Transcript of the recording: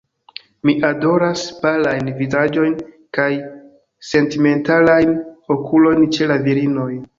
Mi adoras palajn vizaĝojn kaj sentimentalajn okulojn ĉe la virinoj.